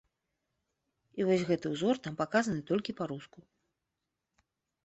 І вось гэты ўзор там паказаны толькі па-руску.